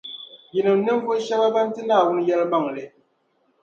Yinim’ ninvuɣu shɛba ban ti Naawuni yεlimaŋli.